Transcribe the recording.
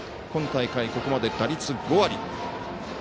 今大会、ここまで打率５割。